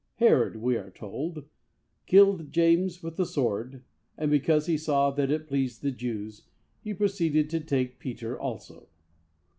'Herod,' we are told, 'killed James with the sword, and, because he saw that it pleased the Jews, he proceeded to take Peter also.'